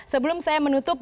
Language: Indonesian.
sebelum saya menutup